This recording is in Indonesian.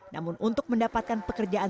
namun untuk mendapatkan pekerjaan